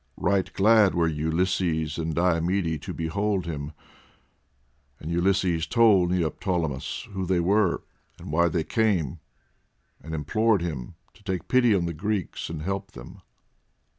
Right glad were Ulysses and Diomede to behold him, and Ulysses told Neoptolemus who they were, and why they came, and implored him to take pity on the Greeks and help them.